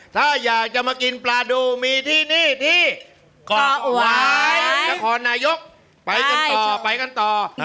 ถ้าอยากจะมากินปลาดูมีที่นี่ที่เกาะหวายนครนายกไปกันต่อไปกันต่อ